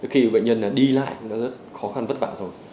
khi bệnh nhân đi lại nó rất khó khăn vất vả rồi